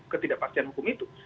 ketidakpastian hukum itu